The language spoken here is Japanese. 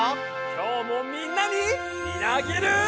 今日もみんなにみなぎる。